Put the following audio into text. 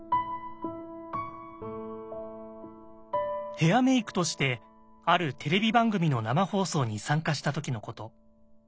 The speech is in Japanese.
ヘアメイクとしてあるテレビ番組の生放送に参加した時のこと。